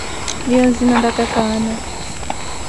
Miiyo nzina laka ka Ana.